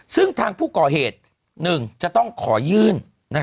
ซึ่งทางผู้ก่อเหตุ๑จะต้องขอยื่น